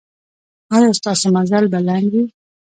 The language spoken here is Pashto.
ایا ستاسو مزل به لنډ وي؟